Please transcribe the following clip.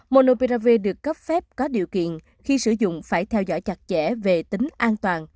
monoprave được cấp phép có điều kiện khi sử dụng phải theo dõi chặt chẽ về tính an toàn